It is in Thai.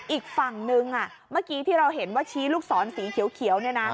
อีกฝั่งนึงเมื่อกี้ที่เราเห็นว่าชี้ลูกศรสีเขียวเนี่ยนะ